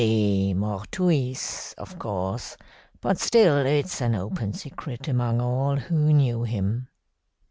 'De mortuis,' of course, but still it's an open secret among all who knew him.